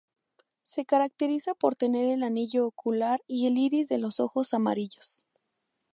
Se caracteriza por tener el anillo ocular y el iris de los ojos amarillos.